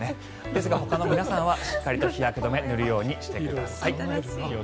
ですがほかの皆さんはしっかりと日焼け止めを塗るようにしてください。